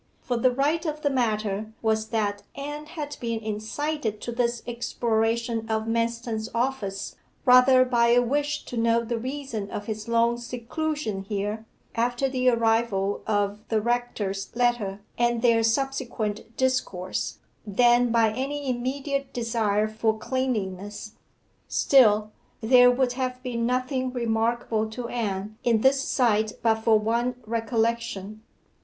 For the right of the matter was that Anne had been incited to this exploration of Manston's office rather by a wish to know the reason of his long seclusion here, after the arrival of the rector's letter, and their subsequent discourse, than by any immediate desire for cleanliness. Still, there would have been nothing remarkable to Anne in this sight but for one recollection.